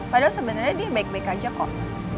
padahal sebenarnya dia baik baik aja kok